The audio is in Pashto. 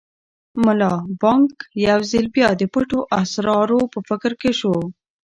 ملا بانګ یو ځل بیا د پټو اسرارو په فکر کې شو.